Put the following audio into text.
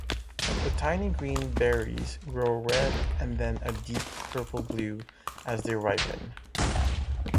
The tiny green berries grow red and then a deep purple-blue as they ripen.